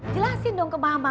jelasin dong ke mama